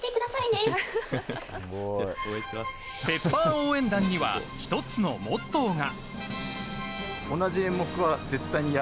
応援団には１つのモットーが。